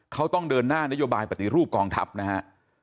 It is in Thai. เขาต้องเดินหน้านโยบายปฏิรูปกองทัพนะฮะ